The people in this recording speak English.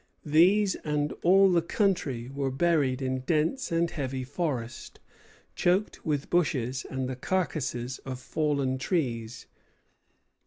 These and all the country were buried in dense and heavy forest, choked with bushes and the carcases of fallen trees.